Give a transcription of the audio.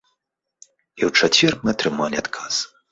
І ў чацвер мы атрымалі адказ.